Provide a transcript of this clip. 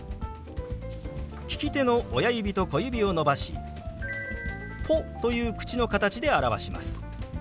利き手の親指と小指を伸ばし「ポ」という口の形で表します。